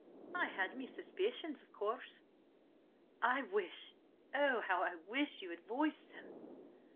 "I had me suspicions, of course." "I wish–oh, how I wish you had voiced them!"